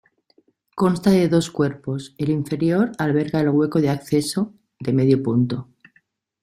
Consta de dos cuerpos, el inferior alberga el hueco de acceso, de medio punto.